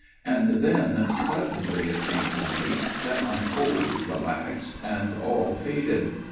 And then suddenly it seemed to me that my hold relaxed, and all faded.